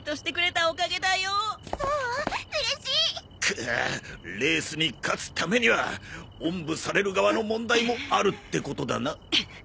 くっレースに勝つためにはおんぶされる側の問題もあるってことだな。